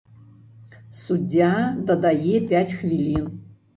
Суддзя дадае пяць хвілін.